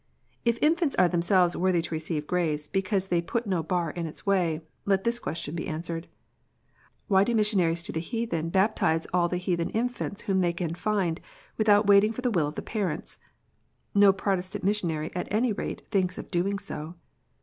* If infants are in themselves worthy to receive grace, because they put no bar in its way, let this question be answered: " Why do not missionaries to the heathen baptize all the heathen infants whom they can find, without waiting for the will of their parents?" No Protestant missionary at any rate thinks of doing so.